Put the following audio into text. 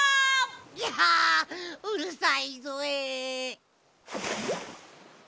ぎゃうるさいぞえ。